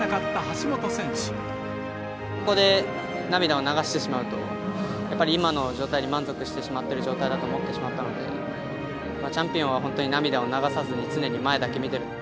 ここで涙を流してしまうと、やっぱり今の状態で満足してしまっている状態だと思ってしまったので、チャンピオンは本当に涙を流さずに、常に前だけ見てる。